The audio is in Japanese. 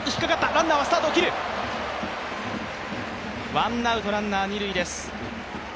ワンアウト、ランナー二塁です。